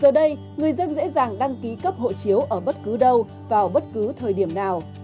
giờ đây người dân dễ dàng đăng ký cấp hộ chiếu ở bất cứ đâu vào bất cứ thời điểm nào